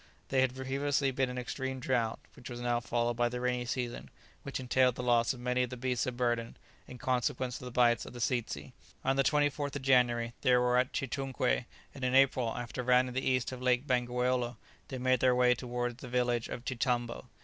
There had previously been an extreme drought, which was now followed by the rainy season, which entailed the loss of many of the beasts of burden, in consequence of the bites of the tzetsy. On the 24th of January they were at Chitounkwé, and in April, after rounding the east of Lake Bangweolo, they made their way towards the village of Chitambo.